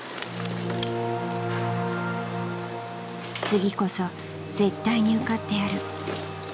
［次こそ絶対に受かってやる］